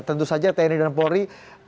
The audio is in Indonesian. tentu saja tni dan polri